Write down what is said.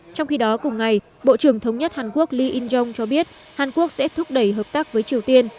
trong khi đó cùng ngày bộ trưởng thống nhất hàn quốc lee in jong cho biết hàn quốc sẽ thúc đẩy hợp tác với triều tiên